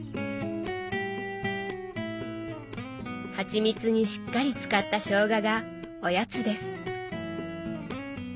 はちみつにしっかりつかったしょうががおやつです。